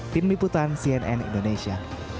tim biputan cnn indonesia